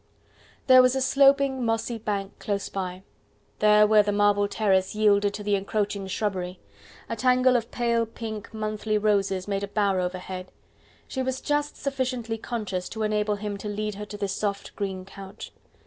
There was a sloping, mossy bank close by, there where the marble terrace yielded to the encroaching shrubbery: a tangle of pale pink monthly roses made a bower overhead. She was just sufficiently conscious to enable him to lead her to this soft green couch.